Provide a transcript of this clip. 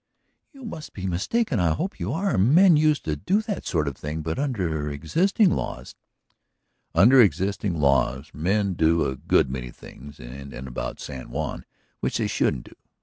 "You must be mistaken. I hope you are. Men used to do that sort of thing, but under existing laws ..." "Under existing laws men do a good many things in and about San Juan which they shouldn't do.